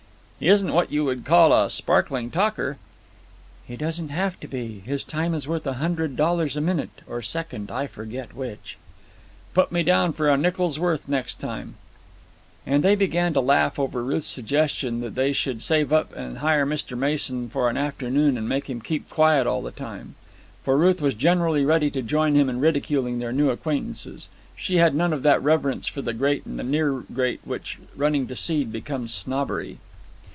"He isn't what you would call a sparkling talker." "He doesn't have to be. His time is worth a hundred dollars a minute, or a second—I forget which." "Put me down for a nickel's worth next time." And then they began to laugh over Ruth's suggestion that they should save up and hire Mr. Mason for an afternoon and make him keep quiet all the time; for Ruth was generally ready to join him in ridiculing their new acquaintances. She had none of that reverence for the great and the near great which, running to seed, becomes snobbery.